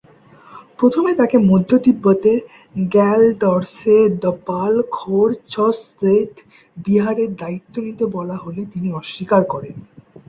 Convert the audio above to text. প্রথমে তাকে মধ্য তিব্বতের র্গ্যাল-র্ত্সে-দ্পাল-'খোর-ছোস-স্দে বিহারের দায়িত্ব নিতে বলা হলে তিনি অস্বীকার করেন।